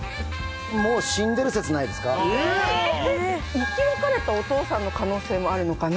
生き別れたお父さんの可能性もあるのかな。